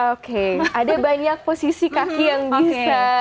oke ada banyak posisi kaki yang bisa